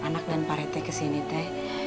anak anak naar pari teh kesini teh